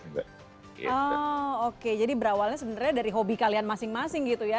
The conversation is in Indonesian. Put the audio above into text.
oh oke jadi berawalnya sebenarnya dari hobi kalian masing masing gitu ya